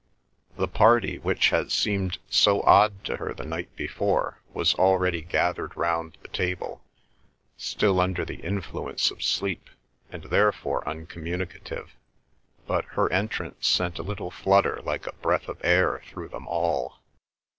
The party, which had seemed so odd to her the night before, was already gathered round the table, still under the influence of sleep, and therefore uncommunicative, but her entrance sent a little flutter like a breath of air through them all.